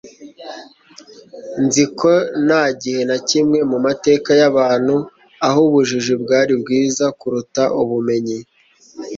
nzi ko nta gihe na kimwe mu mateka y'abantu aho ubujiji bwari bwiza kuruta ubumenyi